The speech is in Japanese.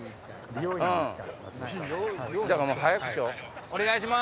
だから早くしよう。